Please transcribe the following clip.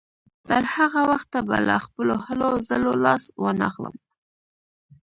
تر هغه وخته به له خپلو هلو ځلو لاس وانهخلم.